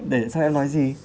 để sau em nói gì